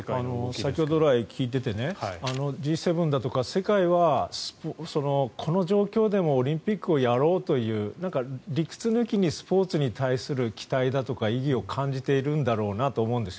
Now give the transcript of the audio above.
先ほどから聞いていてＧ７だとか世界はこの状況でもオリンピックをやろうというなんか理屈抜きにスポーツに対する期待だとか意義を感じているんだろうと思うんです。